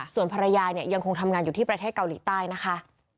ส่วนภรรยาเนี่ยยังคงทำงานอยู่ที่ประเทศเกาหลีใต้นะคะ